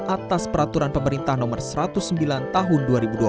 atas peraturan pemerintah nomor satu ratus sembilan tahun dua ribu dua puluh